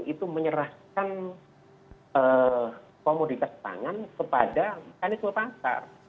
itu menyerahkan komoditas pangan kepada mekanisme pasar